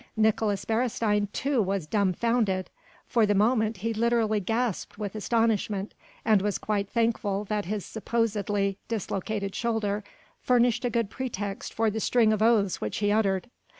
Nicolaes Beresteyn too was dumbfounded. For the moment he literally gasped with astonishment, and was quite thankful that his supposedly dislocated shoulder furnished a good pretext for the string of oaths which he uttered.